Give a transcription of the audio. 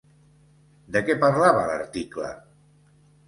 De què parlava l'article?